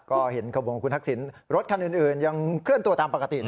ก็เห็นขบวงอาทิตย์สิรถครั้งอื่นอื่นยังเคลื่อนตัวตามปกตินะฮะ